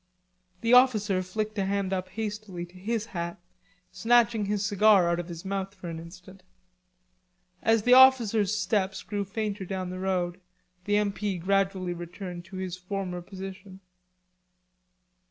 The officer flicked a hand up hastily to his hat, snatching his cigar out of his mouth for an instant. As the officer's steps grew fainter down the road, the M.P. gradually returned to his former position.